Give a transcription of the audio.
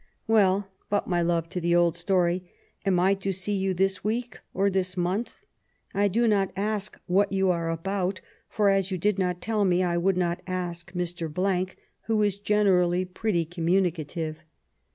... Well I but, my love, to the old story, — am I to see you this week, or this month ? I do not ask what you are about, for as you did not tell me, I would not ask Mr. , who is generally pretty communi ' cative.